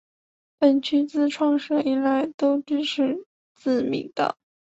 本区自创设以来都支持自民党。